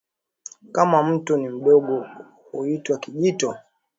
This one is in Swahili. Kama mto ni mdogo huitwa kijito